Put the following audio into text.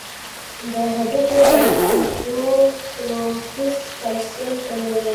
د هډوکو اوسټيوپوروسس کلسیم کموي.